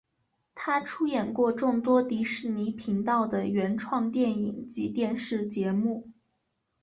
他出演过众多迪士尼频道的原创电影及电视节目。